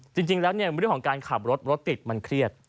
จริงแล้วเนี่ยเรื่องของการขับรถรถติดมันเครียด